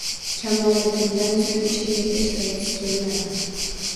Kamoliddindan so`ng o`sha erda ishlagisi kelmadi